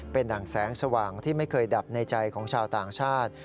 เป็นดั่งแสงสว่างที่ไม่เคยดับในใจของชาวต่างชาติ